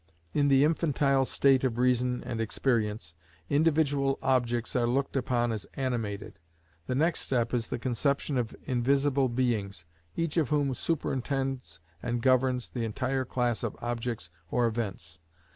In the infantile state of reason and experience, individual objects are looked upon as animated. The next step is the conception of invisible beings, each of whom superintends and governs an entire class of objects or events.